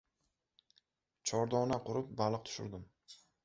Chordona qurib, baliq tushirdim.